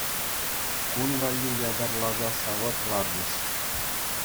Кун валли ятарласа савӑт лартӗҫ.